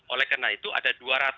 oleh karena itu ada dua ratus